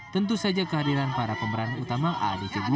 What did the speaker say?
tentu saja kehadiran para pemeran utama aadc dua